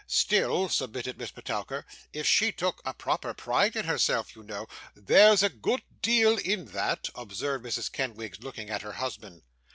'Still,' submitted Miss Petowker, 'if she took a proper pride in herself, you know ' 'There's a good deal in that,' observed Mrs. Kenwigs, looking at her husband.